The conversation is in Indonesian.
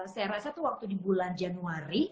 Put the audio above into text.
saya rasa tuh waktu di bulan januari